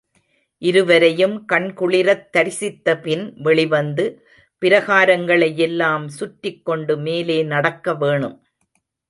இருவரையும் கண்குளிரத் தரிசித்தபின் வெளிவந்து பிரகாரங்களை யெல்லாம் சுற்றிக் கொண்டு மேலே நடக்கவேணும்.